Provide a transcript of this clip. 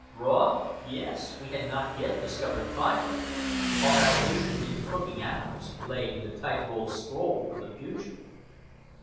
Raw? Yes. We had not yet discovered fire. Our evolution into cooking animals lay in the tight rolled scroll of the future.